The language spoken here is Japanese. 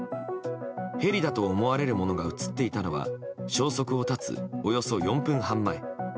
ヘリだと思われるものが映っていたのは消息を絶つおよそ４分半前。